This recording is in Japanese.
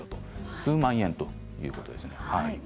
数万円ということです。